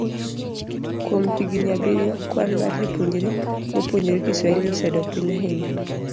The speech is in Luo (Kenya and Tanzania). Kuom higini abiriyo, kwan mar jopuonjre mapuonjore Kiswahili osedok piny ahinya